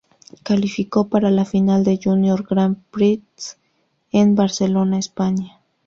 Calificó para la final del Júnior Grand Prix en Barcelona, España.